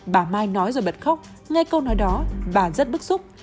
bà mai nói rồi bật khóc nghe câu nói đó bà rất bức xúc